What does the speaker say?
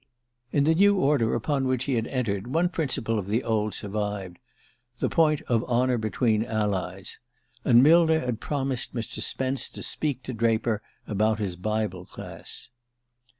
In the new order upon which he had entered, one principle of the old survived: the point of honour between allies. And Millner had promised Mr. Spence to speak to Draper about his Bible Class.